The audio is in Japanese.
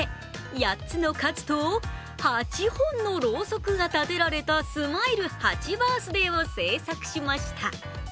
８つのカツと８本のろうそくが立てられたスマイル８バースデーを制作しました。